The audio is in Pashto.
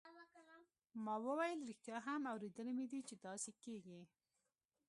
ما وویل ریښتیا هم اوریدلي مې دي چې داسې کیږي.